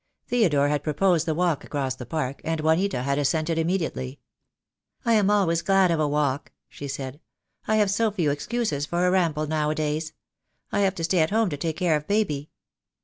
Theodore had proposed the walk across the park, and Juanita had assented immediately. "I am always glad of a walk," she said. "I have so few excuses for a ramble nowadays. I have to stay at home to take care of baby."